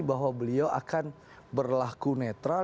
bahwa beliau akan berlaku netral